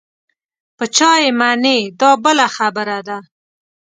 په چا یې منې دا بله خبره ده.